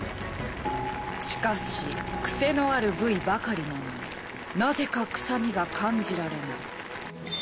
しかしクセのある部位ばかりなのになぜか臭みが感じられない。